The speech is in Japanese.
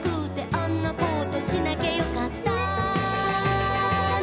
「あんなことしなきゃよかったな」